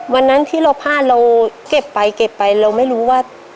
วันนั้นที่เราพลาดเราเก็บไปเก็บไปเราไม่รู้ว่า